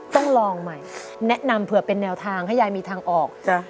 ต้องลองใหม่แนะนำเผื่อเป็นแนวทางให้ยายมีทางออก